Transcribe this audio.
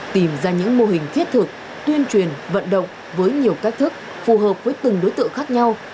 tìm ra những mô hình thiết thực tuyên truyền vận động với nhiều cách thức phù hợp với từng đối tượng khác nhau